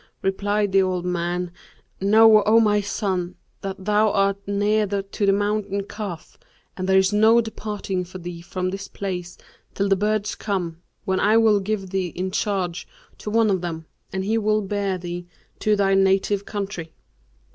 Replied the old man, 'Know, O my son, that thou art near to the mountain Kaf, and there is no departing for thee from this place till the birds come, when I will give thee in charge to one of them, and he will bear thee to thy native country.